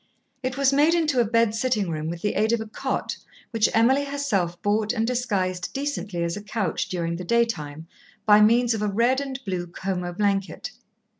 It was made into a bed sitting room with the aid of a cot which Emily herself bought and disguised decently as a couch during the daytime, by means of a red and blue Como blanket.